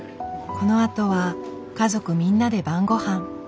このあとは家族みんなで晩ごはん。